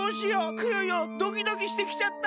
クヨヨドキドキしてきちゃった！